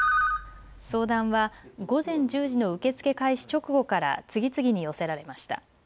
相談は午前１０時の受け付け開始直後から次々に寄せられました。